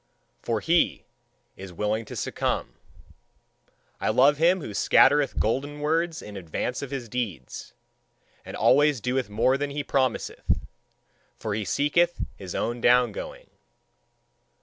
for he is willing to succumb. I love him who scattereth golden words in advance of his deeds, and always doeth more than he promiseth: for he seeketh his own down going.